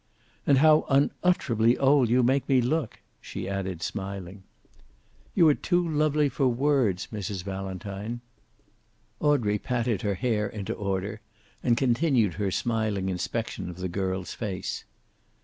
"And how unutterably old you make me look!" she added, smiling. "You are too lovely for words, Mrs. Valentine." Audrey patted her hair into order, and continued her smiling inspection of the girl's face.